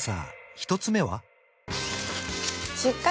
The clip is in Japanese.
１つ目は？